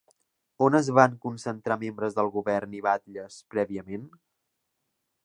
On es van concentrar membres del govern i batlles prèviament?